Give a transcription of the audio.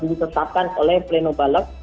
dibutasakan oleh pleno balap